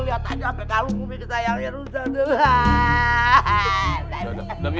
liat aja abe kalung umi kesayangannya rusak